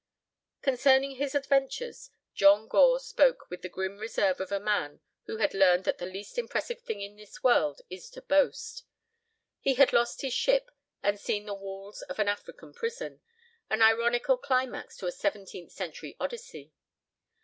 Concerning his adventures, John Gore spoke with the grim reserve of a man who had learned that the least impressive thing in this world is to boast. He had lost his ship and seen the walls of an African prison, an ironical climax to a seventeenth century Odyssey.